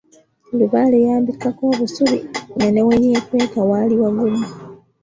Lubaale yambikkako obusubi, nga ne we yeekweka waali wagumu.